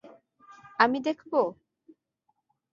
আমি দেখবো?